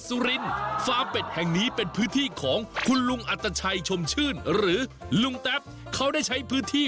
สุรินทร์ฟาร์มเป็ดแห่งนี้เป็นพื้นที่ของคุณลุงอัตชัยชมชื่นหรือลุงแต๊บเขาได้ใช้พื้นที่